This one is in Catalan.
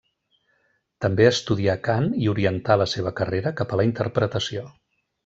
També estudià cant i orientà la seva carrera cap a la interpretació.